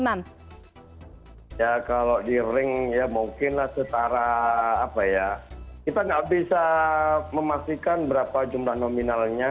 ya kalau di ring ya mungkinlah setara apa ya kita nggak bisa memastikan berapa jumlah nominalnya